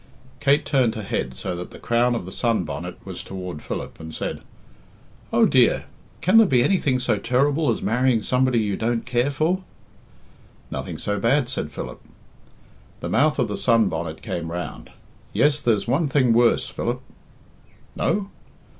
Kate turned her head so that the crown of the sun bonnet was toward Phillip, and said "Oh, dear! Can there be anything so terrible as marrying somebody you don't care for?" "Nothing so bad," said Philip. The mouth of the sun bonnet came round. "Yes, there's one thing worse, Philip." "No?"